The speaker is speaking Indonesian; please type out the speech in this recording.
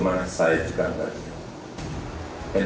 bahasa luar mau buktikan